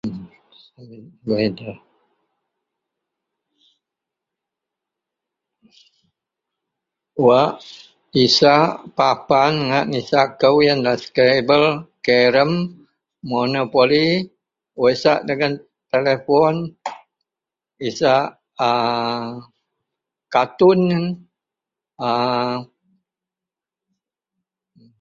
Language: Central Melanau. Wak isak papan ngak nisak kou iyenlah scrable, karum, monopoli wak isak dagen telefon isak a katun iyen aaa.